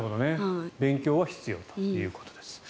勉強は必要ということです。